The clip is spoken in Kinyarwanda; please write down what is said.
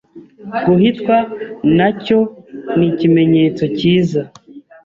Guhitwa nacyo nikimenyetso kiza